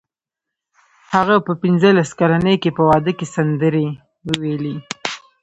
هغه په پنځلس کلنۍ کې په واده کې سندرې وویلې